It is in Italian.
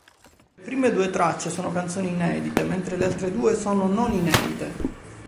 Le prime due tracce sono canzoni inedite, mentre le altre due sono non inedite.